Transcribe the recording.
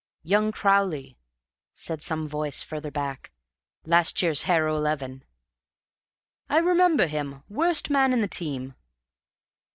"Young Crowley," said some voice further back. "Last year's Harrow Eleven." "I remember him. Worst man in the team."